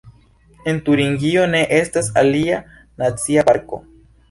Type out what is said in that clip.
En Turingio ne estas alia nacia parko.